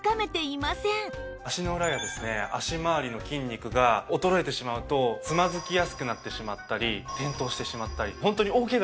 足の裏やですね脚まわりの筋肉が衰えてしまうとつまずきやすくなってしまったり転倒してしまったり本当に大ケガに繋がってしまう事があるので。